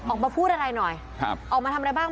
ออกมาพูดอะไรหน่อยครับออกมาทำอะไรบ้าง